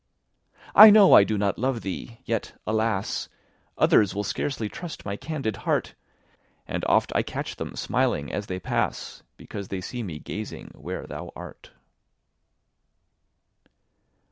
I know I do not love thee! yet, alas! Others will scarcely trust my candid heart; And oft I catch them smiling as they pass, Because they see me gazing where thou art.